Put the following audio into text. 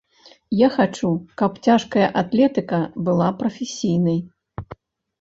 Я хачу, каб цяжкая атлетыка была прафесійнай.